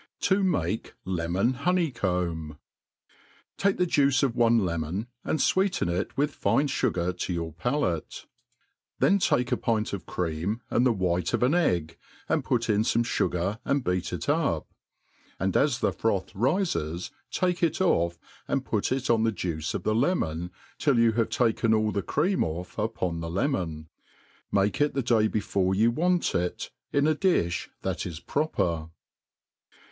7i make a Lemon Honeycomb, TAKE thejuice of gne lemon, and fweeten it with fine fu* ^ gar to your palate ; then take a pint of cream, and the white ' of an egg, and put in fome fugar, and beat it up j and as the froth riles, take it ofF, and put it on the juice of the lemon, tilt you have takenr all the creamr off upon the lemon ; make it the day before you want it, in a diih that is proper.